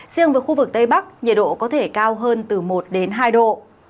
riêng khu vực tây bắc nhiệt độ có thể cao hơn từ một hai độ